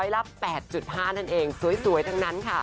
๑๐๘๕ทานเองสวยทั้งนั้นค่ะ